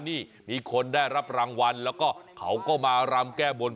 นี่มีคนได้รับรางวัลแล้วก็เขาก็มารำแก้บน